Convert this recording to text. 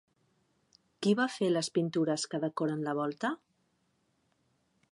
Qui va fer les pintures que decoren la volta?